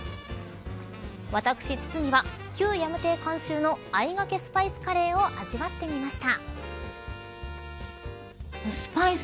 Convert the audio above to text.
私、堤は旧ヤム邸監修のあいがけスパイスカレーを味わってみました。